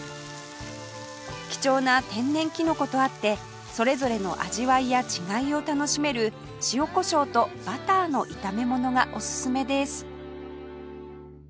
貴重な天然きのことあってそれぞれの味わいや違いを楽しめる塩こしょうとバターの炒め物がおすすめです